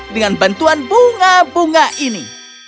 dengan bantuan bunga bunga ini